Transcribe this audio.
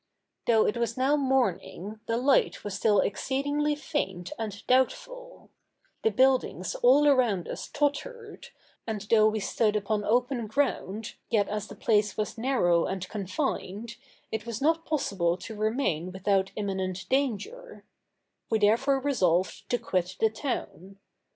Though it was now morning, the light was still exceedingly faint and doubtful; the buildings all around us tottered, and though we stood upon open ground, yet as the place was narrow and confined, it was not possible to remain without imminent danger: we therefore resolved to quit the town.